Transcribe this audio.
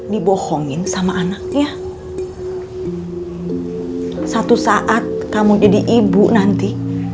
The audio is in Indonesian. dibohongin sama anaknya satu saat kamu jadi ibu nanti